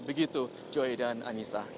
begitu joy dan anissa